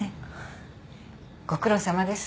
ご苦労さまです。